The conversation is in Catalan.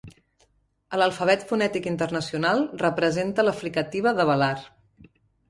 A l'Alfabet Fonètic Internacional, representa la fricativa de velar.